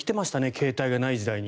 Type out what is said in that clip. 携帯がない時代に。